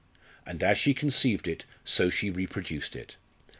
And as she conceived it, so she reproduced it.